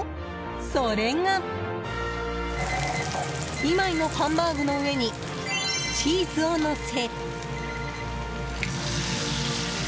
それが、２枚のハンバーグの上にチーズをのせ。